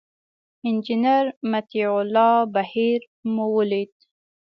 انجینر مطیع الله بهیر مو ولید.